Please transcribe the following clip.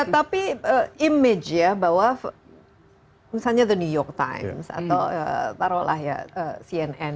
tapi image ya bahwa misalnya the new york times atau taruhlah ya cnn